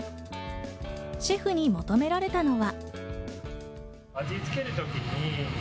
シェフに求められたのは。